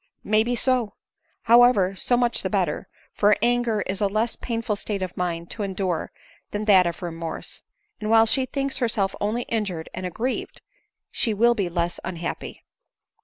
" May be so. However, so much the better ;, for anger is a less painful state of mind to endure than that of remorse; and while she thinks herself only bjured and aggrieved, she will be less unhappy."